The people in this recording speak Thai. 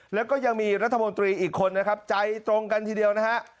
แล้วก็ยังมีรัฐมนตรีอีกคนนะครับใจตรงกันทีเดียวนะฮะ